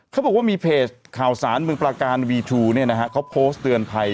เขาบอกว่ามีเพจข่าวสารเมืองประการวีทูเขาโพสต์เตือนภัย